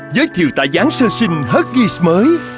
giới thiệu tả gián sơ sinh huggies mới